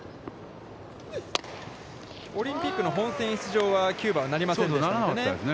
オリンピックの本戦出場は、キューバはなりませんでしたのでね。